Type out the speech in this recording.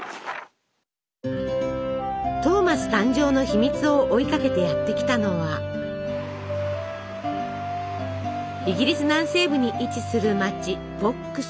トーマス誕生の秘密を追いかけてやって来たのはイギリス南西部に位置する町ボックス。